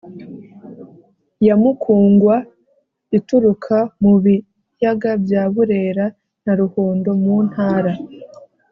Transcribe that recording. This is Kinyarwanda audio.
ya Mukungwa ituruka mu biyaga bya Burera na Ruhondo mu Ntara